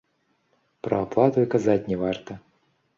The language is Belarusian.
Пра аплату й казаць не варта.